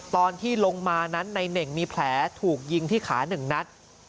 ตอนที่ลงมานั้นในเน่งมีแผลถูกยิงที่ขา๑นัด